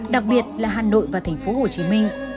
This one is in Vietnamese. đặc biệt là hà nội và thành phố hồ chí minh